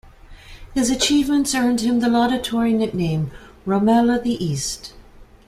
His achievements earned him the laudatory nickname "Rommel of the East".